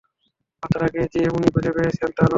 বাচ্চাটাকে যে উনি খুঁজে পেয়েছেন তা নয়।